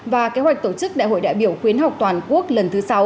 và kế hoạch tổ chức đại hội đại biểu khuyến học toàn quốc lần thứ sáu